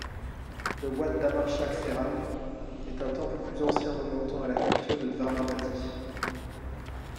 Le Wat Dhammachaksemaram est un temple plus ancien remontant à la culture de Dvaravati.